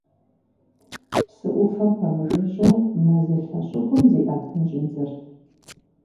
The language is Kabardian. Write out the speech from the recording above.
Псы ӏуфэм пэмыжыжьэу мэзылъэ щӏыгум зиӏэтын щӏидзэрт.